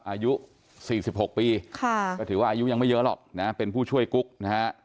อายุ๔๖ปีก็ถือว่าอายุยังไม่เยอะหรอกนะเป็นผู้ช่วยกุ๊กนะฮะ